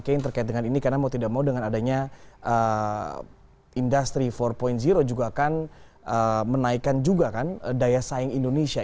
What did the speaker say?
jadi saya ingin terkait dengan ini karena mau tidak mau dengan adanya industri empat juga akan menaikkan juga kan daya saing indonesia